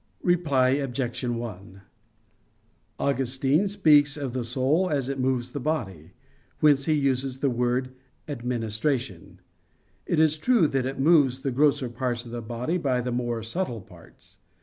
Reply Obj. 1: Augustine speaks there of the soul as it moves the body; whence he uses the word "administration." It is true that it moves the grosser parts of the body by the more subtle parts.